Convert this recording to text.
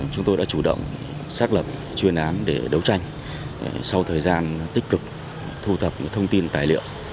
chúng tôi đã chủ động xác lập chuyên án để đấu tranh sau thời gian tích cực thu thập những thông tin tài liệu